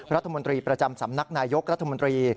รัฐมนตรีประจำสำนักนายยกรัฐมนตรี